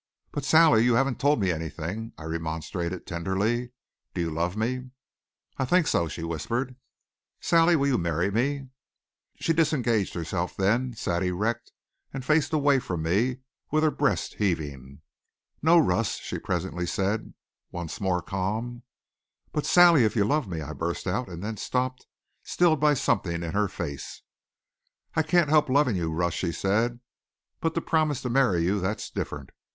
"But, Sally, you haven't told me anything," I remonstrated tenderly. "Do you love me?" "I think so," she whispered. "Sally, will you marry me?" She disengaged herself then, sat erect and faced away from me, with her breast heaving. "No, Russ," she presently said, once more calm. "But Sally if you love me " I burst out, and then stopped, stilled by something in her face. "I can't help loving you, Russ," she said. "But to promise to marry you, that's different.